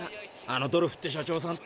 あのドルフって社長さん